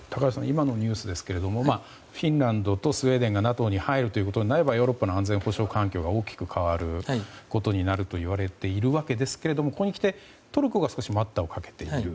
今のニュースですがフィンランドとスウェーデンがＮＡＴＯに入ることになればヨーロッパの安全保障環境が大きく変わることになるといわれているわけですがここにきてトルコが少し待ったをかけている。